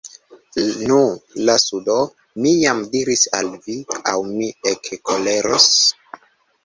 Nu, lasu do, mi jam diris al vi, aŭ mi ekkoleros.